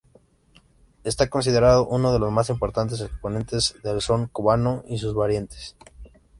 Está considerado uno de los más importantes exponentes del son cubano y sus variantes.